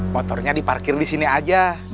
motornya diparkir di sini aja